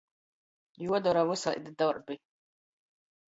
Juodora vysaidi dorbi.